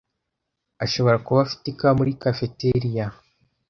Ashobora kuba afite ikawa muri cafeteria.